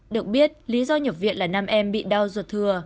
được biết lý do nhập viện là nam em bị đau ruột thừa